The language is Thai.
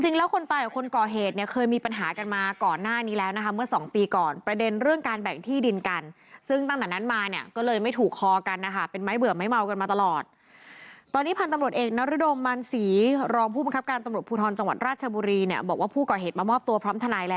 คนตายกับคนก่อเหตุเนี่ยเคยมีปัญหากันมาก่อนหน้านี้แล้วนะคะเมื่อสองปีก่อนประเด็นเรื่องการแบ่งที่ดินกันซึ่งตั้งแต่นั้นมาเนี่ยก็เลยไม่ถูกคอกันนะคะเป็นไม้เบื่อไม้เมากันมาตลอดตอนนี้พันธุ์ตำรวจเอกนรดงมันศรีรองผู้บังคับการตำรวจภูทรจังหวัดราชบุรีเนี่ยบอกว่าผู้ก่อเหตุมามอบตัวพร้อมทนายแล้ว